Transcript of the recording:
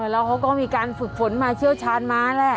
แล้วเขาก็มีการฝึกฝนมาเชี่ยวชาญมาแหละ